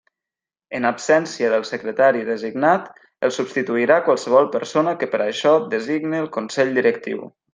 En absència del secretari designat el substituirà qualsevol persona que per a això designe el Consell Directiu.